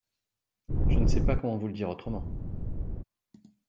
Je ne sais pas comment vous le dire autrement.